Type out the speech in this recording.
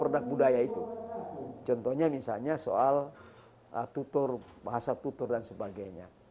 produk budaya itu contohnya misalnya soal tutur bahasa tutur dan sebagainya